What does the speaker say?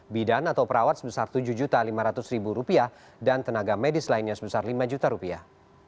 bidan atau perawat sebesar tujuh lima ratus rupiah dan tenaga medis lainnya sebesar lima juta rupiah